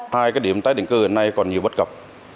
hai cái điểm tái định cư hiện nay còn nhiều bất cập